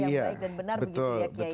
yang baik dan benar